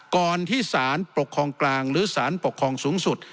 ก่อนที่สารปกครองกลางหรือสารปกครองสูงสุด